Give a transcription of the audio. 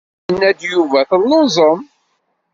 Yenna-d Yuba telluẓem.